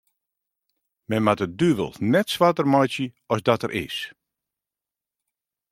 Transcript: Men moat de duvel net swarter meitsje as dat er is.